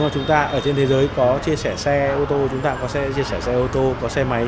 chúng ta ở trên thế giới có chia sẻ xe ô tô chúng ta có chia sẻ xe ô tô có xe máy